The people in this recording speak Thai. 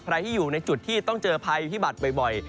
ใครที่อยู่ในจุดที่ต้องเจอพายุที่บัตรบ่อย